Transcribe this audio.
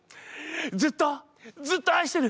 ずっとずっと愛してる！